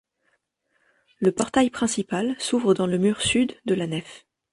Le portail principal s'ouvre dans le mur sud de la nef.